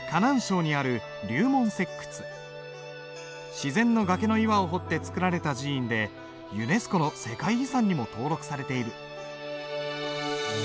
自然の崖の岩を掘って造られた寺院でユネスコの世界遺産にも登録されている。